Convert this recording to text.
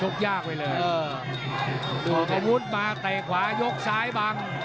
กระพุดมาแต่ขวายกซ้ายบ้าง